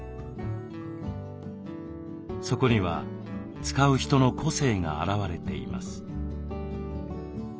そこには使う人の個性が表れています。